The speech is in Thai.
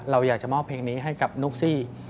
เราอยากจะมอบเพลงนี้ให้กับนุ๊กซี่